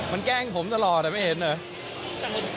มันแกล้งผมตลอดไม่เห็นเหรอ